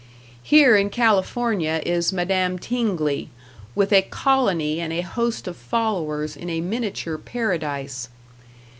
Here in California is Madame Tingley, with a colony and a host of followers in a minature paradise.